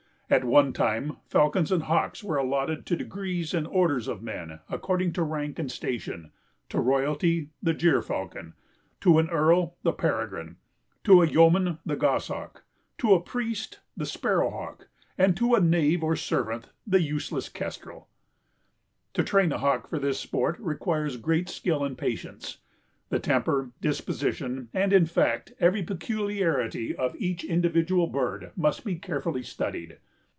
At one time "falcons and hawks were allotted to degrees and orders of men according to rank and station, to royalty the jerfalcon, to an earl the peregrine, to a yeoman the goshawk, to a priest the sparrow hawk, and to a knave or servant the useless kestrel." To train a hawk for this sport requires great skill and patience. The temper, disposition and, in fact, every peculiarity of each individual bird must be carefully studied.